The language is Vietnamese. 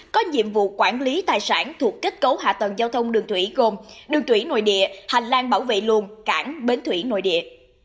có nhiệm vụ quản lý tài sản thuộc kết cấu hạ tầng giao thông đường thủy gồm đường thủy nội địa hành lang bảo vệ luồng cảng bến thủy nội địa